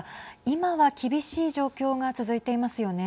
今は厳しい状況が続いていますよね。